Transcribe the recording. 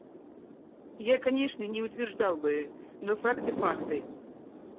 Я, конечно, не утверждал бы, но факты… факты!